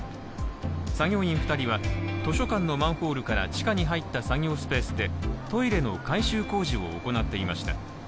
作業員２人は図書館のマンホールから地下に入った作業スペースでトイレの改修工事を行っていました。